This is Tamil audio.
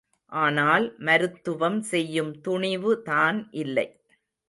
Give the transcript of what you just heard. ஆனால் மருத்துவம் செய்யும் துணிவு தான் இல்லை.